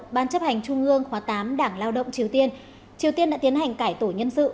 ban chấp hành trung ương khóa tám đảng lao động triều tiên triều tiên đã tiến hành cải tổ nhân sự